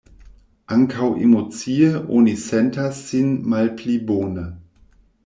Ankaŭ emocie oni sentas sin malpli bone.